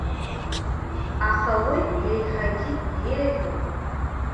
Аха уи еиҳагьы еиӷьуп.